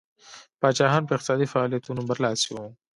پاچاهان په اقتصادي فعالیتونو برلاسي وو.